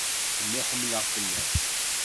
Kemm i ḥemmleɣ fell-as.